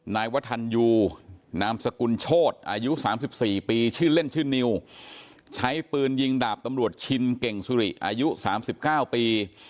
นายวัฒนยูนามสกุลโชธอายุ๓๔ปีชื่อเล่นชื่อนิวใช้ปืนยิงดาบตำรวจชินเก่งสุริอายุ๓๙ปี